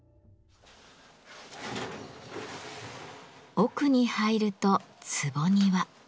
奥に入ると「坪庭」。